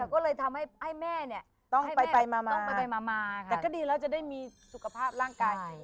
ก็เลยทำให้แม่เนี่ยต้องไปมาแต่ก็ดีแล้วจะได้มีสุขภาพร่างกาย